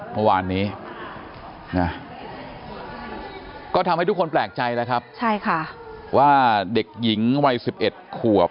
เมื่อวานนี้ก็ทำให้ทุกคนแปลกใจแล้วครับว่าเด็กหญิงวัย๑๑ขวบ